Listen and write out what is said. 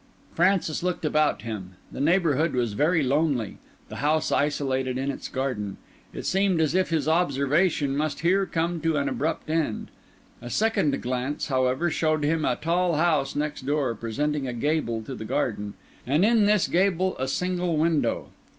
Francis looked about him; the neighbourhood was very lonely, the house isolated in its garden. It seemed as if his observation must here come to an abrupt end. A second glance, however, showed him a tall house next door presenting a gable to the garden, and in this gable a single window.